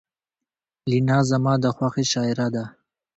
لینا زما د خوښې شاعره ده